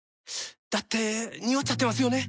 だってニオっちゃってますよね。